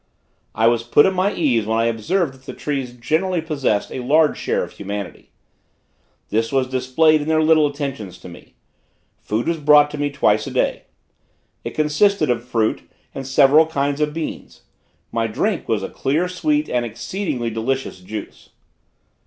I was put at my ease when I observed that the trees generally possessed a large share of humanity. This was displayed in their little attentions to me. Food was brought to me twice a day. It consisted of fruit and several kinds of beans; my drink was a clear, sweet and exceedingly delicious juice.